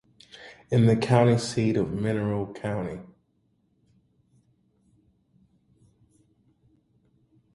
It is the county seat of Mineral County.